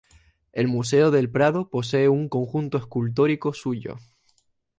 El Museo del Prado posee un conjunto escultórico suyo.